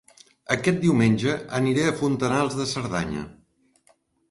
Aquest diumenge aniré a Fontanals de Cerdanya